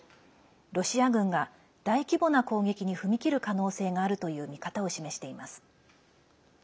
ロシア軍が大規模な攻撃に踏み切る可能性があるという見方を示しています。